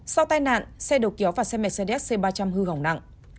sau tai nạn xe đầu kéo và xe mercedes c ba trăm linh hư hỏng nặng